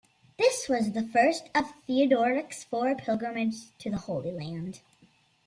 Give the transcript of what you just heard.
This was the first of Theoderic's four pilgrimages to the Holy Land.